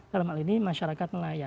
dalam hal ini masyarakat nelayan